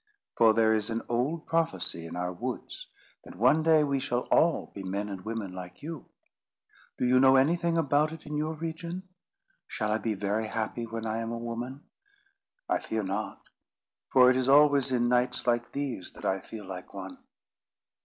For there is an old prophecy in our woods that one day we shall all be men and women like you. Do you know anything about it in your region? Shall I be very happy when I am a woman? I fear not, for it is always in nights like these that I feel like one.